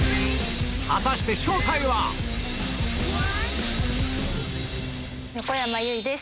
果たして正体は⁉横山由依です。